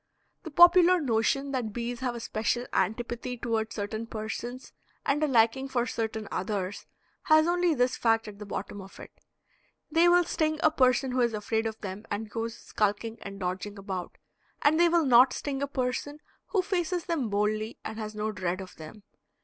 The popular notion that bees have a special antipathy toward certain persons and a liking for certain others has only this fact at the bottom of it; they will sting a person who is afraid of them and goes skulking and dodging about, and they will not sting a person who faces them boldly and has no dread of them.